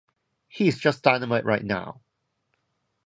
He is just dynamite right now.